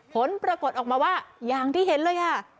ผลปรากฏออกมาว่าอย่างที่เห็นเลยค่ะ